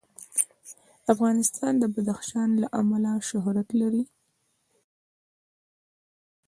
افغانستان د بدخشان له امله شهرت لري.